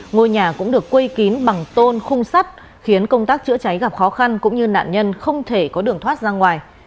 ngôi nhà cũng được quây kín bằng tôn khung sắt khiến công tác chữa cháy gặp khó khăn cũng như nạn nhân không thể có đường thoát ra ngoài